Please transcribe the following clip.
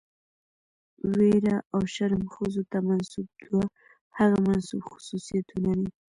ويره او شرم ښځو ته منسوب دوه هغه منسوب خصوصيتونه دي،